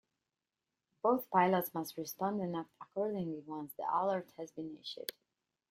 Both pilots must respond and act accordingly once the alert has been issued.